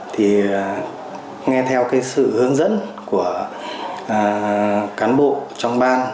thì nghe theo cái sự hướng dẫn của cán bộ trong ban